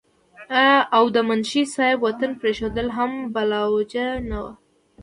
او د منشي صېب وطن پريښودل هم بلاوجه نه وو